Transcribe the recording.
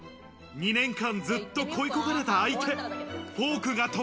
２年間ずっと恋焦がれた相手。